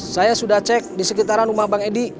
saya sudah cek di sekitaran rumah bang edi